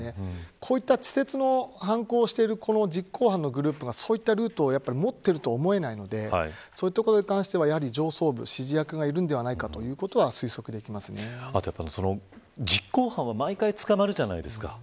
こうした稚拙な犯行をしている実行犯のグループはそういうルートを持っているとは思えないので、そこに関しては上層部の指示役がいるんではないかということは実行犯は毎回捕まるじゃないですか。